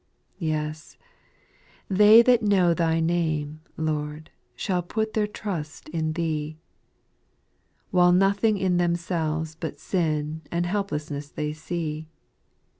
7 Yes, " they that know Thy name. Lord, shall put their trust in Thee," While nothing in themselves but sin and helplessness they see.